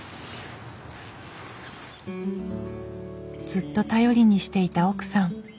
ずっと頼りにしていた奥さん。